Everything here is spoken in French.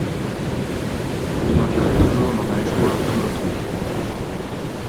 Il endurait toujours, dans un espoir toujours trompé.